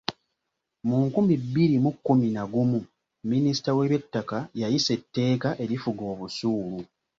Mu nkumi bbiri mu kkumi na gumu minisita w'eby'ettaka yayisa etteeka erifuga obusuulu.